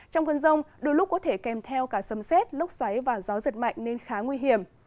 trong cơn rông đôi lúc có thể kèm theo cả sầm xét lốc xoáy và gió giật mạnh nên khá nguy hiểm